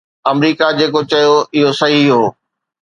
آمريڪا جيڪو چيو اهو صحيح هو.